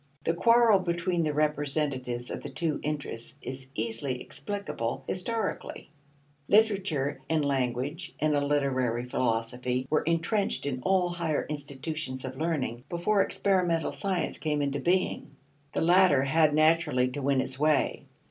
The quarrel between the representatives of the two interests is easily explicable historically. Literature and language and a literary philosophy were entrenched in all higher institutions of learning before experimental science came into being. The latter had naturally to win its way.